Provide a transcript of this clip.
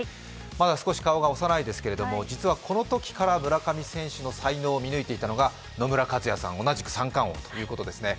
まだ少し顔が幼いですけど、実はこのときから村上選手の才能を見抜いていたのが野村克也さん、同じく三冠王ということですね。